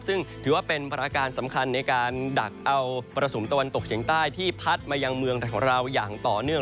ซึ่งถือว่าเป็นภารการสำคัญในการดักเอามรสุมตะวันตกเฉียงใต้ที่พัดมายังเมืองของเราอย่างต่อเนื่อง